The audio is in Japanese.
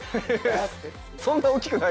そんな大きくない。